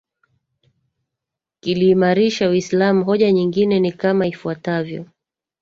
kiliimarisha uislamu hoja nyingine ni kama ifuatavyo